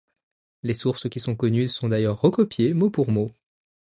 Les sources qui sont connues sont d'ailleurs recopiées mot pour mot.